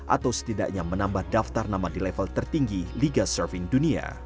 atau setidaknya menambah daftar nama di level tertinggi liga surfing dunia